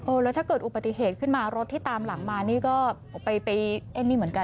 แล้วถ้าเกิดอุบัติเหตุขึ้นมารถที่ตามหลังมานี่ก็ไปเล่นนี่เหมือนกัน